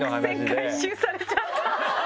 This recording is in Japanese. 伏線回収されちゃった。